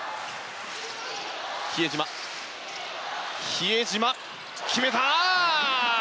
比江島、決めた！